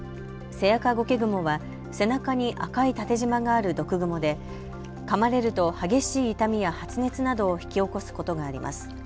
セアカゴケグモは背中に赤い縦じまがある毒グモでかまれると激しい痛みや発熱などを引き起こすことがあります。